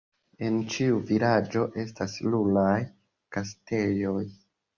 En ĉiu vilaĝo estas ruraj gastejoj.